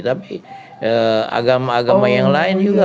tapi agama agama yang lain juga